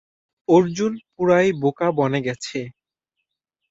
অর্জুন পুরাই বোকা বনে গেছে।